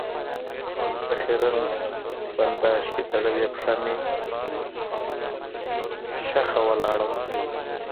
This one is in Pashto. په خېرن بنداژ کې تړلې پښه مې ښخه ولاړه وه.